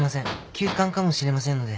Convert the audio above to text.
急患かもしれませんので。